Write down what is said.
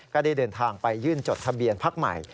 ก็ได้เดินทางไปยื่นจดทะเบียนพักใหม่